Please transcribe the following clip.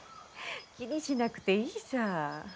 気にしなくていいさ。